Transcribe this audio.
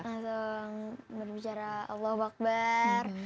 langsung berbicara allah waqbar